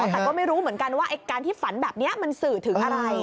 แต่ก็ไม่รู้เหมือนกันว่าการที่ฝันแบบนี้มันสื่อถึงอะไร